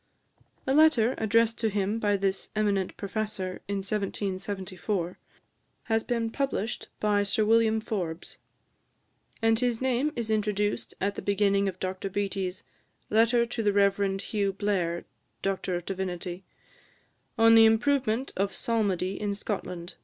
A letter, addressed to him by this eminent professor, in 1774, has been published by Sir William Forbes; and his name is introduced at the beginning of Dr Beattie's "Letter to the Rev. Hugh Blair, D.D., on the Improvement of Psalmody in Scotland.